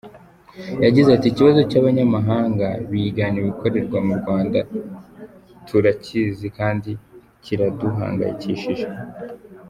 Yagize ati “Ikibazo cy’abanyamahanga bigana ibikorerwa mu Rwanda turakizi kandi kiraduhangayikishije.